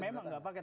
memang tidak pakai